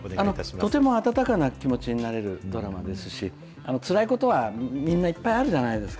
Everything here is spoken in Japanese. とても、温かな気持ちになれるドラマですし、つらいことはみんないっぱいあるじゃないですか。